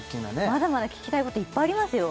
まだまだ聞きたいこといっぱいありますよ